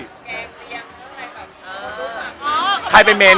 ตรอกยำว่าใครไปเม้น